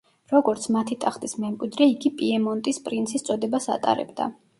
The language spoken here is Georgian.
როგორც მათი ტახტის მემკვიდრე, იგი პიემონტის პრინცის წოდებას ატარებდა.